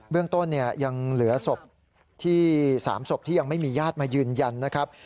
เรื่องต้นยังเหลือศพที่๓ศพที่ยังไม่มีญาติมายืนยันนะครับ